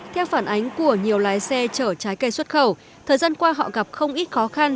theo phản ánh của nhiều lái xe chở trái cây xuất khẩu thời gian qua họ gặp không ít khó khăn